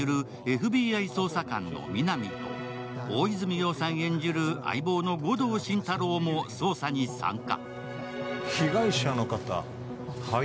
ＦＢＩ捜査官の皆実と大泉洋さん演じる相棒の護道心太朗も捜査に参加。